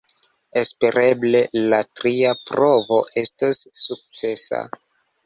Espereble la tria provo estos sukcesa.